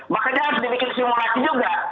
maka dia harus dibikin simulasi juga